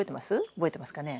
覚えてますかね？